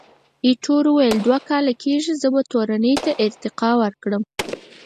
ایټور وویل، دوه کاله کېږي، زه به تورنۍ ته ارتقا وکړم.